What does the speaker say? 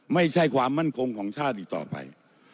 ไม่ใช่ความมั่นคงของชาติอีกต่อไป